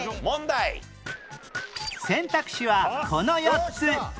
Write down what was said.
選択肢はこの４つ